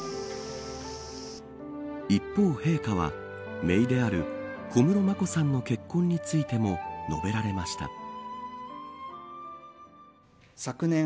一方、陛下は姪である小室眞子さんの結婚についても述べられました。